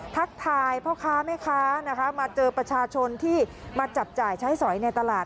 ทักทายพ่อค้าแม่ค้านะคะมาเจอประชาชนที่มาจับจ่ายใช้สอยในตลาด